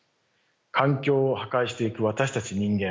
環境を破壊していく私たち人間。